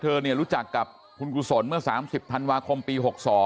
รู้จักกับคุณกุศลเมื่อ๓๐ธันวาคมปี๖๒